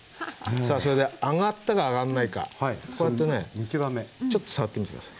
さあそれで揚がったか揚がんないかこうやってねちょっと触ってみて下さい。